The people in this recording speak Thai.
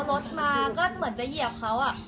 รถมาก็เหมือนจะเหยียบเขา